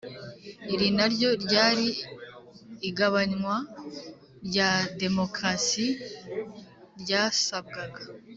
iri naryo ryari igabanywa rya démocratie ryasabwaga.